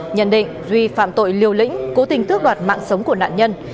nhận định duy phạm tội liều lĩnh cố tình tước đoạt mạng sống của nạn nhân